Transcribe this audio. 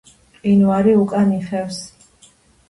მყინვარი უკან იხევს.